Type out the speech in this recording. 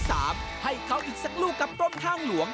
ให้หมันข้าวอีกกับคนไปช่วย